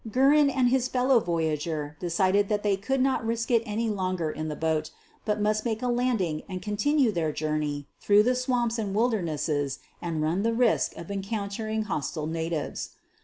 Guerin and his fellow voyager decided that they could not risk it any longer in the boat, but must make a landing and continue their journey through the swamps and wildernesses and run the risk of encountering hostile natives.